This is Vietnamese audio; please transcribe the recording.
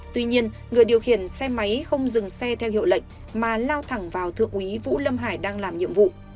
tuy nhiên người điều khiển xe máy không dừng xe theo hiệu lệnh mà lao thẳng vào thượng úy vũ lâm hải đang làm nhiệm vụ